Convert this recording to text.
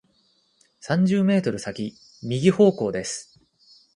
三十メートル先、右方向です。